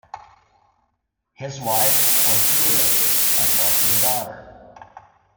His wife was Judith, as was his daughter.